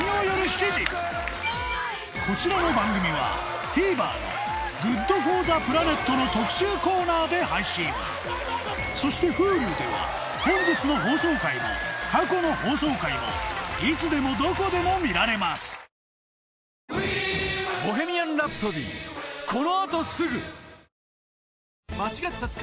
こちらの番組はそしてＨｕｌｕでは本日の放送回も過去の放送回もいつでもどこでも見られます橋本環奈の。